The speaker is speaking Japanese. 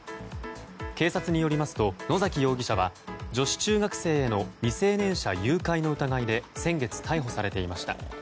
警察によりますと野崎容疑者は女子中学生への未成年者誘拐の疑いで先月、逮捕されていました。